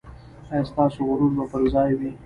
ایا ستاسو غرور به پر ځای وي؟